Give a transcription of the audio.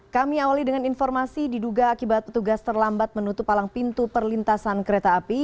kami awali dengan informasi diduga akibat petugas terlambat menutup palang pintu perlintasan kereta api